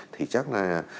thì chắc là